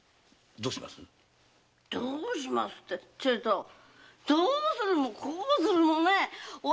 「どうします」ってちょいとどうするもこうするもお